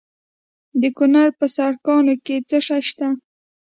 د کونړ په سرکاڼو کې څه شی شته؟